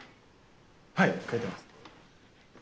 はい書いてます。